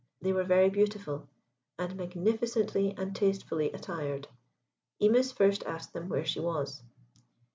They were very beautiful, and magnificently and tastefully attired. Imis first asked them where she was.